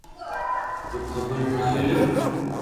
تو خبر ھوڻاوي لو